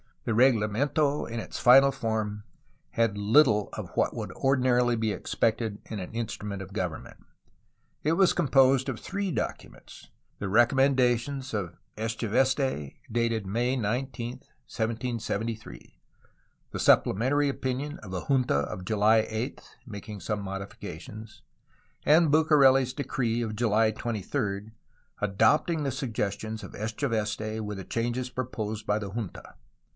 The reglamento in its final form had little of what would ordinarily be expected in an instrument of government. It was composed of three documents: the recommendations of Echeveste, dated May 19, 1773; the supplementary opinion of a junta of July 8, making some modifications; and Bucareli's decree of July 23, adopting the suggestions of Echeveste, with the changes proposed by the junta.